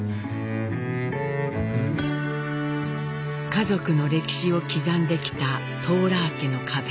家族の歴史を刻んできたトーラー家の壁。